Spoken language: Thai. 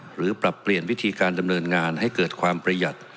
หรือปรับเปลี่ยนวิธีการดำเนินงานให้เกิดความประหยัด